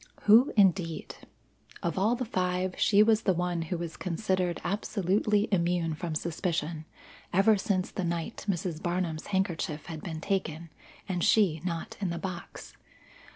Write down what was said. Who indeed! Of all the five, she was the one who was considered absolutely immune from suspicion ever since the night Mrs. Barnum's handkerchief had been taken, and she not in the box.